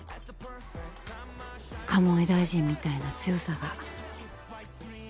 鴨井大臣みたいな強さが。